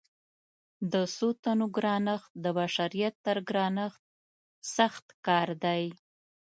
د څو تنو ګرانښت د بشریت تر ګرانښت سخت کار دی.